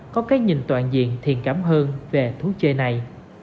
có cái nhìn toàn diện thiền cảm hơn về thú chơi này